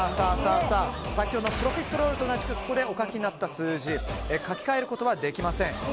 先ほどのプロフィットロールと同じくここでお書きになった数字書き換えることはできません。